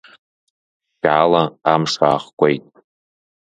Ԥшьшьала амш аахкәеит.